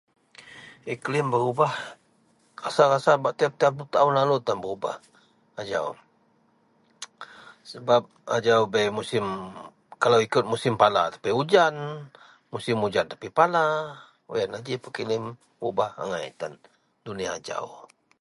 Iklim berubah rasa-rasa bak tiap-tiap taon lau tan berubah ajau, sebab ajau bei musim kalau ikut masa panas bei ujan musim ujan bei panas, iklim berubah angai tan dunia ajau.